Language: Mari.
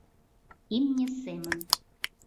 Имне семын.